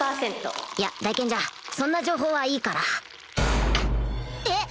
いや大賢者そんな情報はいいからえっ！